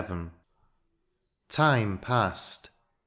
VIL Time passed.